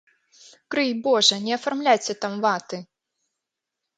Крый божа, не афармляйце там ваты!